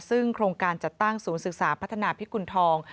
ซึ่งโครงการจัดตั้งศูนย์ศึกษาพัฒนาพิกุณฑอง